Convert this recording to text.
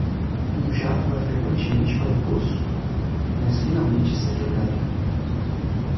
Um jarro vai frequentemente para o poço?, mas finalmente está quebrado.